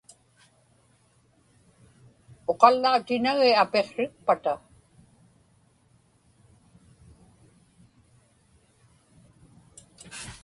Uqallautinagi apiqsrikpata.